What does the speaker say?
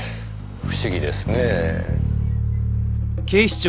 不思議ですねぇ。